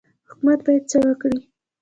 حکومت باید څه وکړي؟